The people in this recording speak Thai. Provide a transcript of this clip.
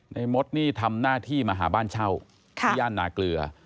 มดนี่ทำหน้าที่มาหาบ้านเช่าที่ย่านนาเกลือ